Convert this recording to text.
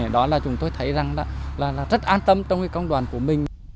đó là chúng tôi thấy rất an tâm trong công đoàn của mình